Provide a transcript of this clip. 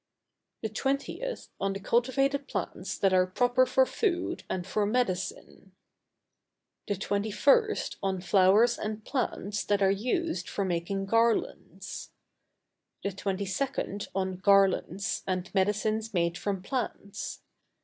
The 20th on the Cultivated Plants that are proper for food and for medicine. The 21st on Flowers and Plants that are used for making Garlands. The 22d on Garlands, and Medicines made from Plants.